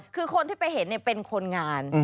คือคนที่ไปเห็นเป็นคนงาน